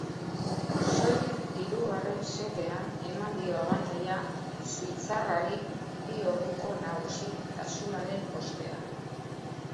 Soilik hirugarren setean eman dio abantaila suitzarrari, bi orduko nagusitasunaren ostean.